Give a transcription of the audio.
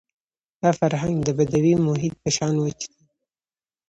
دا فرهنګ د بدوي محیط په شان وچ دی.